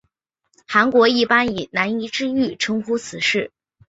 韩国一般以南怡之狱称呼此事。